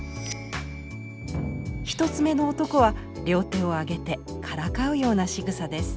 一つ目の男は両手を上げてからかうようなしぐさです。